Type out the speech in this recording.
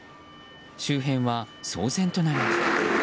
周辺は騒然となっていました。